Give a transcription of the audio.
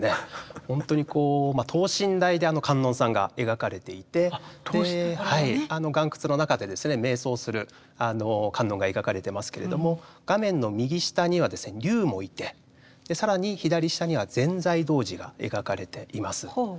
ほんとにこう等身大であの観音さんが描かれていてあの岩窟の中でめい想する観音が描かれてますけれども画面の右下には龍もいて更に左下には善財童子が描かれています。